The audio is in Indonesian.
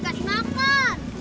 udah gede amat